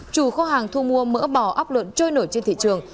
chủ kho hàng thu mua mỡ bò ốc lợn trôi nổi trên thị trường